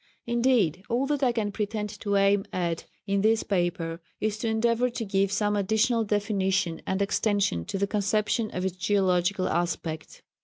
Indeed, all that I can pretend to aim at in this paper is to endeavour to give some additional definition and extension to the conception of its geological aspect.